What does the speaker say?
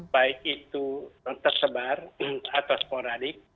baik itu tersebar atau sporadik